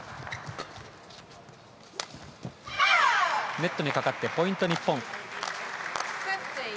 ネットにかかってポイント、日本。